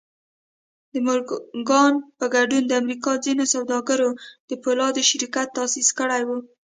د مورګان په ګډون د امريکا ځينو سوداګرو د پولادو شرکت تاسيس کړی و.